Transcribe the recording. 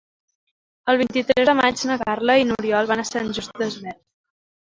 El vint-i-tres de maig na Carla i n'Oriol van a Sant Just Desvern.